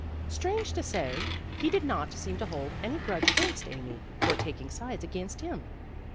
Strange to say, he did not seem to hold any grudge against Amy for tak ing sides against him.